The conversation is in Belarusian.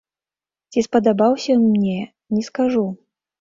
Ці спадабаўся ён мне, не скажу.